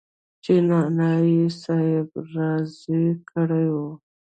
چې نعماني صاحب رازده کړې وه.